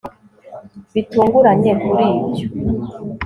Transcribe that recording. bitunguranye kuri ibyo